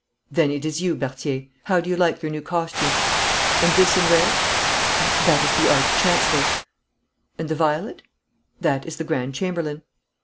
'Then it is you, Berthier. How do you like your new costume? And this in red?' 'That is the Arch Chancellor.' 'And the violet?' 'That is the Grand Chamberlain.'